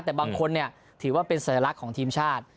แต่บางคนเนี่ยถือว่าเป็นสัญลักษณ์ของทีมชาติ